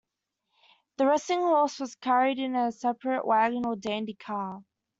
The resting horse was carried in a separate wagon or 'dandy car'.